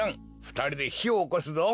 ふたりでひをおこすぞ。